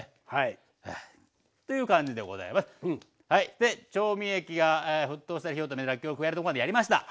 で調味液が沸騰したら火を止めらっきょうを加えるところまでやりました。